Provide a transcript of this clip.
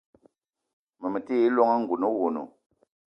Ma me ti yi llong lengouna le owono.